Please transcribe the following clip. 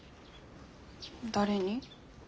誰に？